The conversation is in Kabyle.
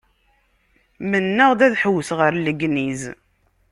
Mennaɣ-d ad ḥewwseɣ ar Legniz.